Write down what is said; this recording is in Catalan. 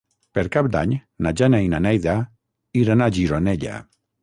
Per Cap d'Any na Jana i na Neida iran a Gironella.